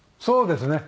そうです。